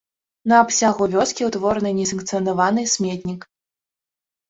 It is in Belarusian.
На абсягу вёскі ўтвораны несанкцыянаваны сметнік.